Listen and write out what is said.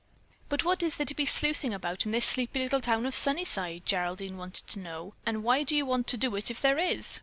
"But what is there to be sleuthing about in this sleepy little town of Sunnyside?" Geraldine wanted to know. "And why do you want to do it if there is?"